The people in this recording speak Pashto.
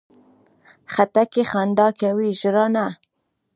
خټکی خندا کوي، ژړا نه.